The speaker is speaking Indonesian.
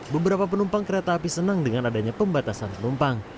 beberapa penumpang kereta api senang dengan adanya pembatasan penumpang